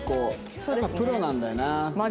やっぱプロなんだよな。